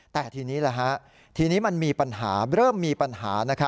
แต่ทีนี้ทีนี้มันมีปัญหาเริ่มมีปัญหา